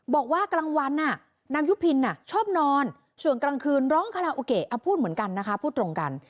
บอกว่ากลางวันนางยุพินชอบนอนส่วนกลางคืนร้องคาราโอเกะพูดเหมือนกันนะคะพูดตรงกัน